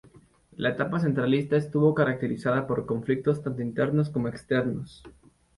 La etapa centralista estuvo caracterizada por conflictos tanto internos, como externos.